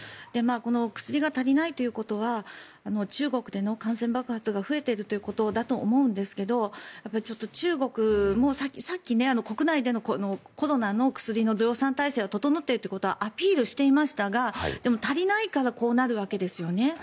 薬が足りないということは中国での感染爆発が増えているということだと思うんですが中国もさっき国内でのコロナの薬の増産態勢が整っているということはアピールしていましたがただ、足りないからこうなるわけですよね。